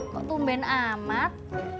kok tumben amat